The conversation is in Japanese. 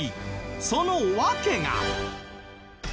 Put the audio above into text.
その訳が。